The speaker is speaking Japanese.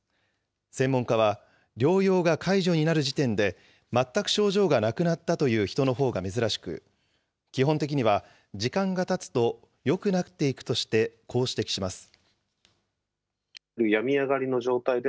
専門家は、療養が解除になる時点で、全く症状がなくなったという人のほうが珍しく、基本的には時間がたつとよくなっていくとして、こう指摘します。